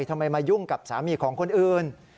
ทำไมมายุ่งกับสามีของคนอื่น